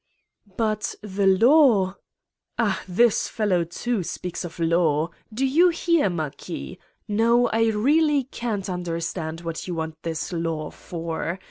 "But the law ..." "Ah, this fellow, too, speaks of law. Do you hear, Marquis? No, I really can't understand what you want this law for